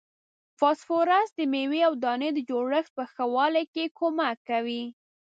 فاسفورس د میوې او دانې د جوړښت په ښه والي کې کومک کوي.